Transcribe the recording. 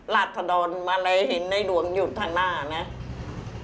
ราธดรมาเลยเห็นในหลวงอยู่ทางหน้าเนี่ย